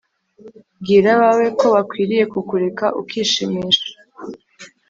bwira abawe ko bakwiriye kukureka ukishimisha